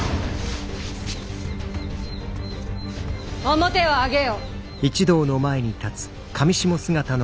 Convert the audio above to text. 面を上げよ！